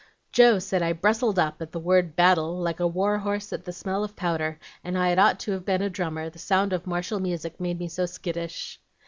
Joe said I 'brustled up' at the word BATTLE like a war horse at the smell of powder, and I'd ought to have been a drummer, the sound of martial music made me so 'skittish.'